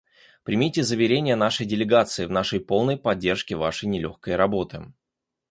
Примите заверения нашей делегации в нашей полной поддержке Вашей нелегкой работы.